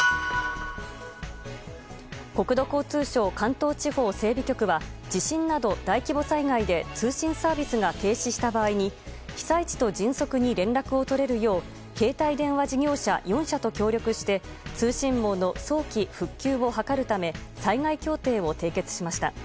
国土交通省関東地方整備局は地震など大規模災害で通信サービスが停止した場合に被災地と迅速に連絡を取れるよう携帯電話事業者４社と協力して通信網の早期復旧を図るため災害協定を締結しました。